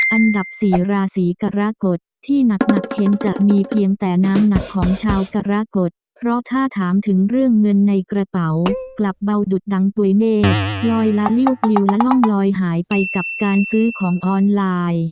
อันดับสี่ราศีกรกฎที่หนักเพียงจะมีเพียงแต่น้ำหนักของชาวกรกฎเพราะถ้าถามถึงเรื่องเงินในกระเป๋ากลับเบาดุดดังป่วยแม่ลอยละลิ้วปลิวและร่องลอยหายไปกับการซื้อของออนไลน์